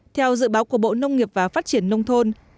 theo dự báo của bộ nông nghiệp và phát triển nông thôn